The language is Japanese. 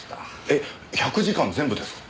えっ１００時間全部ですか？